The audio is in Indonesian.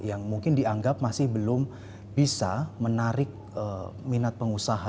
yang mungkin dianggap masih belum bisa menarik minat pengusaha